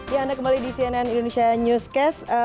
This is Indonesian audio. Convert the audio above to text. ya anda kembali di cnn indonesia newscast